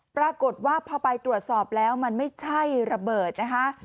ปรากฏว่าพอไปตรวจสอบแล้วมันไม่ใช่ระเบิดนะคะ